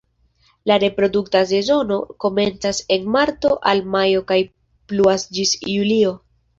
La reprodukta sezono komencas en marto al majo kaj pluas ĝis julio.